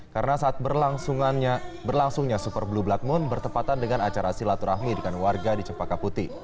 karena saat berlangsungnya super blue blood moon bertepatan dengan acara silaturahmi dengan warga di cempaka putih